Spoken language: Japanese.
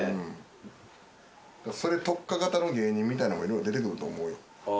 それ特化型の芸人みたいなのも色々出てくると思うよ。